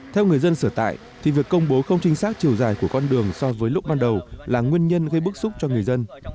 theo người dân sở tại thì việc công bố không chính xác chiều dài của con đường so với lúc ban đầu là nguyên nhân gây bức xúc cho người dân